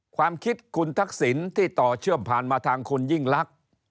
ความคิดคุณทักษิณที่ต่อเชื่อมผ่านมาทางคุณยิ่งลักษณ์